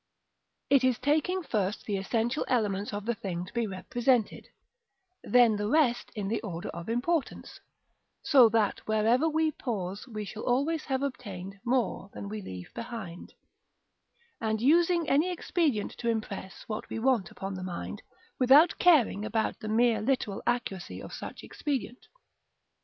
It is taking first the essential elements of the thing to be represented, then the rest in the order of importance (so that wherever we pause we shall always have obtained more than we leave behind), and using any expedient to impress what we want upon the mind, without caring about the mere literal accuracy of such expedient.